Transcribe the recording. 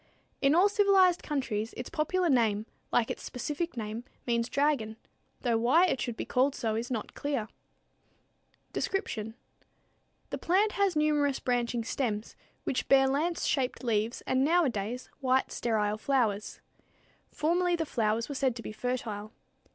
In all civilized countries its popular name, like its specific name, means dragon, though why it should be so called is not clear. [Illustration: Tarragon, the French Chef's Delight] Description. The plant has numerous branching stems, which bear lance shaped leaves and nowadays white, sterile flowers. Formerly the flowers were said to be fertile.